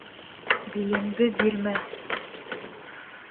Билеңде бирмә!